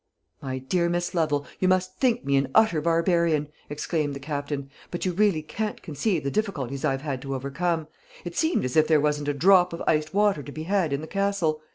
"My dear Miss Lovel, you must think me an utter barbarian," exclaimed the Captain; "but you really can't conceive the difficulties I've had to overcome. It seemed as if there wasn't a drop of iced water to be had in the Castle.